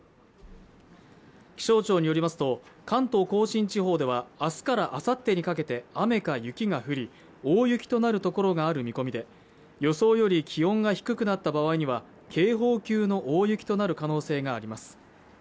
気象庁によりますと関東甲信地方ではあすからあさってにかけて雨か雪が降り大雪となる所がある見込みで予想より気温が低くなった場合には警報級の大雪となる可能性があります